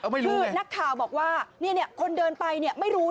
คือนักข่าวบอกว่านี่เนี่ยคนเดินไปเนี่ยไม่ต้องกัดตัว